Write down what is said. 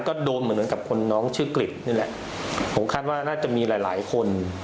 ก็โดนเหมือนเหมือนกับคนน้องชื่อกริจนี่แหละผมคาดว่าน่าจะมีหลายหลายคน